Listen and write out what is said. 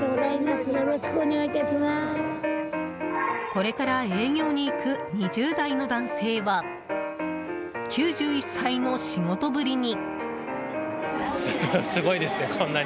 これから営業に行く２０代の男性は９１歳の仕事ぶりに。